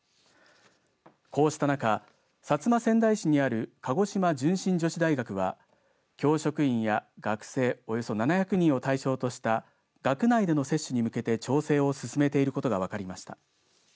こうした中、薩摩川内市にある鹿児島純心女子大学は教職員や学生およそ７００人を対象とした学内での接種に向けて調整を進めていることが分かりました。